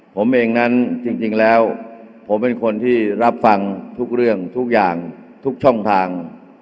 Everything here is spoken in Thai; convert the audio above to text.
ผมเองนั้นจริงแล้วผมเป็นคนที่รับฟังทุกเรื่องทุกอย่างทุกช่องทาง